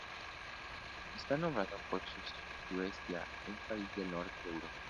Está nombrado por Suecia, un país del norte de Europa.